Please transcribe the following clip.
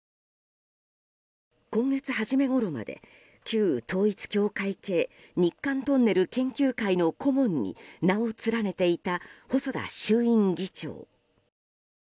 旧統一教会系日韓トンネル研究会の顧問に名を連ねていた細田衆院議長。